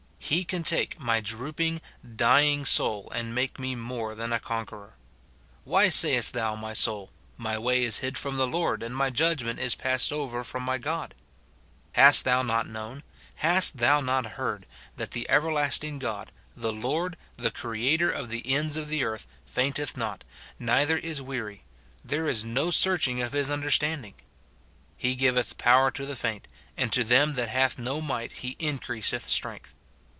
He can take my drooping, dying soul and make me more than a conqueror, f ' Why say est thou, my soul, My ■way is hid from the Lord, and my judgment is passed over from my God ? Hast thou not known, hast thou not heard, that the everlasting God, the Lord, the Cre ator of the ends of the earth, fainteth not, neither is weary ? there is no searching of his understanding. He giveth power to the faint ; and to them that have no might he increaseth strength.